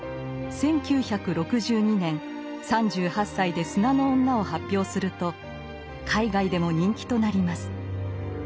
１９６２年３８歳で「砂の女」を発表すると海外でも人気となります。